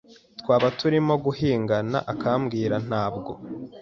Twaba turimo guhingana akambwira nabwo